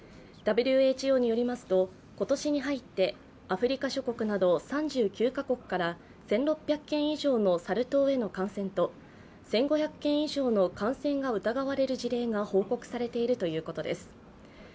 ＷＨＯによりますと今年に入って、アフリカ諸国など３９カ国から１６００件以上のサル痘への感染と、１５００件以上の感染が疑われる事例が報告されているということです。